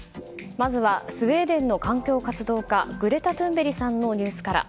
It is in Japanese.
まずはスウェーデンの環境活動家グレタ・トゥンベリさんのニュースから。